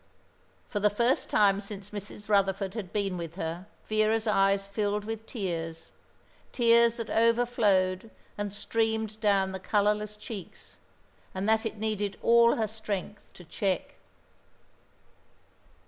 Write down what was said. For the first time since Mrs. Rutherford had been with her, Vera's eyes filled with tears, tears that overflowed and streamed down the colourless cheeks, and that it needed all her strength to check.